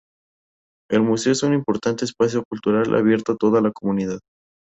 El museo es un importante espacio cultural abierto a toda la comunidad.